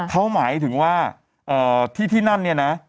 เขาหมายถึงว่าที่นั่นเนี่ยนะ